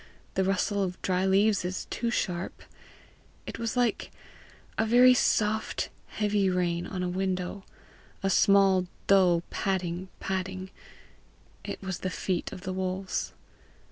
The rustle of dry leaves is too sharp; it was like a very soft heavy rain on a window a small dull padding padding: it was the feet of the wolves.